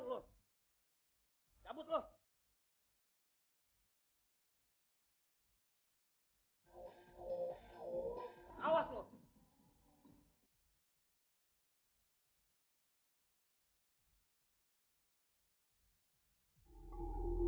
udah tarikin lu